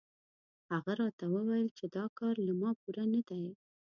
هغه راته وویل چې دا کار له ما پوره نه دی.